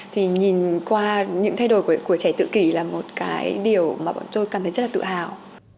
thì nhìn qua những thay đổi của trẻ tự kỷ là một cái điều mà bọn tôi cảm thấy rất là tự hào